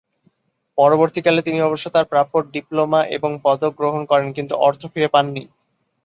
পরবর্তীকালে তিনি অবশ্য তাঁর প্রাপ্য ডিপ্লোমা এবং পদক গ্রহণ করেন, কিন্তু অর্থ ফিরে পাননি।